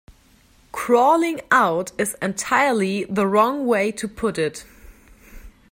'Crawling out' is entirely the wrong way to put it.